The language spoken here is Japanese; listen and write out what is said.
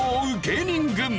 芸人軍。